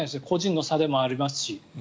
個人の差でもありますし。